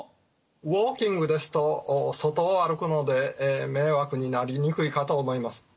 ウォーキングですと外を歩くので迷惑になりにくいかと思います。